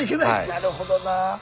なるほどなぁ。